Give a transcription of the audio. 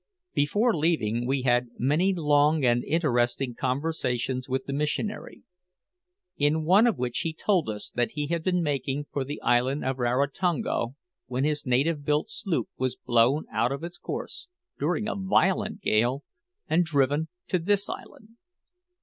Before leaving we had many long and interesting conversations with the missionary, in one of which he told us that he had been making for the island of Rarotonga when his native built sloop was blown out of its course, during a violent gale, and driven to this island.